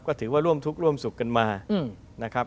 ก็ถือว่าร่วมทุกข์ร่วมสุขกันมา